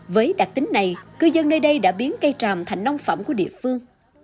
với đặc tính này cư dân nơi đây đã biến cây tràm thành nông phẩm của địa phương